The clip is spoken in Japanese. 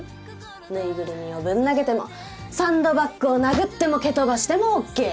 ぬいぐるみをぶん投げてもサンドバッグを殴っても蹴飛ばしてもオッケー。